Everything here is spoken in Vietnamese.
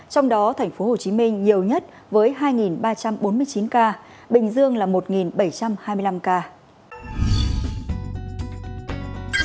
trong đó thành phố hồ chí minh nhiều nhất với hai ba trăm bốn mươi chín ca bình dương là một bảy trăm hai mươi năm ca